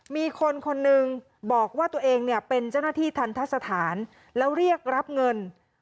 มีคนคนหนึ่งบอกว่าตัวเองเนี่ยเป็นเจ้าหน้าที่ทันทะสถานแล้วเรียกรับเงิน